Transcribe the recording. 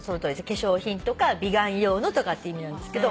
「化粧品」とか「美顔用の」とかって意味なんですけど。